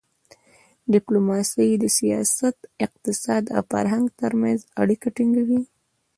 ډیپلوماسي د سیاست، اقتصاد او فرهنګ ترمنځ اړیکه ټینګوي.